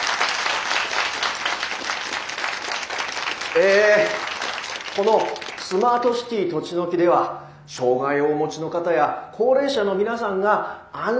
えこのスマートシティとちのきでは障害をお持ちの方や高齢者の皆さんが安心して暮らせる街。